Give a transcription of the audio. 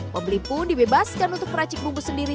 pembeli pun dibebaskan untuk racik bubur sendiri